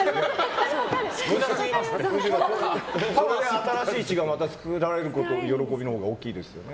新しい血が作られるほうの喜びのほうが大きいですよね。